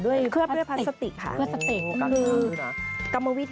ด้วยคว่าพระสติกคือกระโมวิธี